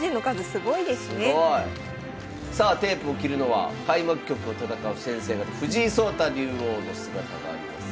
すごい！さあテープを切るのは開幕局を戦う先生方藤井聡太竜王の姿があります。